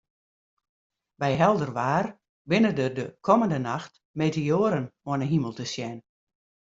By helder waar binne der de kommende nacht meteoaren oan 'e himel te sjen.